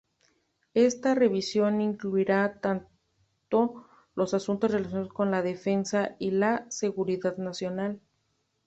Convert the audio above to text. Esta revisión incluirá tanto los asuntos relacionados con la defensa y la seguridad nacional.